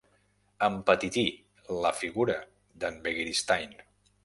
Empetití la figura d'en Begiristain.